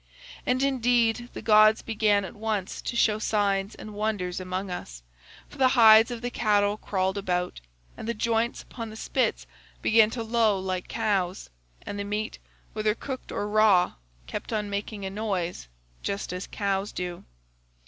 And indeed the gods began at once to show signs and wonders among us, for the hides of the cattle crawled about, and the joints upon the spits began to low like cows, and the meat, whether cooked or raw, kept on making a noise just as cows do.